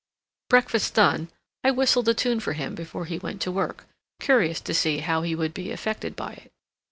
Breakfast done, I whistled a tune for him before he went to work, curious to see how he would be affected by it.